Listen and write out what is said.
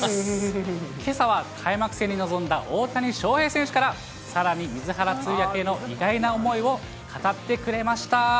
けさは開幕戦に臨んだ大谷翔平選手から、さらに水原通訳への偉大な思いを語ってくれました。